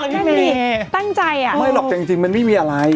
ไม่มีตั้งใจอ่ะไม่หรอกแต่จริงมันไม่มีอะไร